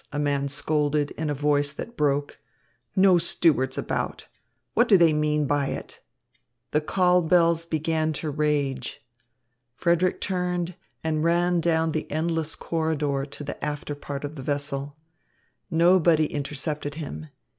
a man scolded in a voice that broke. "No stewards about. What do they mean by it?" The call bells began to rage. Frederick turned, and ran down the endless corridor to the after part of the vessel. Nobody intercepted him.